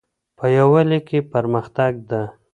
په یووالي کې پرمختګ ده